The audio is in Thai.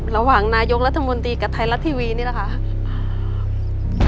ระหว่างนายกรัฐมนตรีกับไทยรัฐทีวีนี่แหละค่ะ